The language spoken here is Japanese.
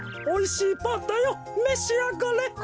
おいしいパンだよめしあがれ！